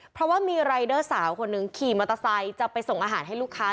เพราะว่ามีรายเดอร์สาวคนหนึ่งขี่มอเตอร์ไซค์จะไปส่งอาหารให้ลูกค้า